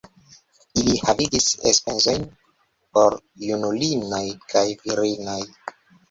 Ili havigis enspezojn por junulinoj kaj virinoj.